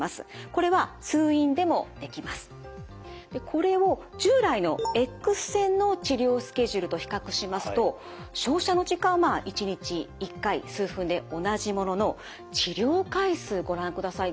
これを従来のＸ線の治療スケジュールと比較しますと照射の時間は１日１回数分で同じものの治療回数ご覧ください